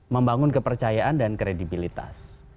membangun kepercayaan dan kredibilitas